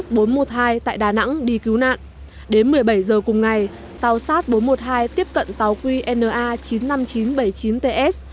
tàu sát bốn trăm một mươi hai tại đà nẵng đi cứu nạn đến một mươi bảy h cùng ngày tàu sát bốn trăm một mươi hai tiếp cận tàu qna chín mươi năm nghìn chín trăm bảy mươi chín ts